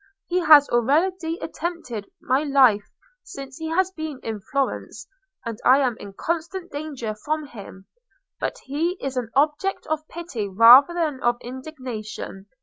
He has already attempted my life since he has been in Florence; and I am in constant danger from him. But he is an object of pity rather than of indignation.